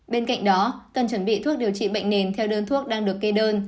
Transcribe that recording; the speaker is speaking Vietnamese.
bên cạnh đó cần chuẩn bị thuốc điều trị bệnh nền theo đơn thuốc đang được kê đơn